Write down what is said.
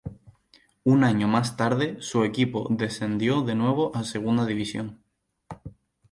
Un año más tarde, su equipo descendió de nuevo a Segunda División.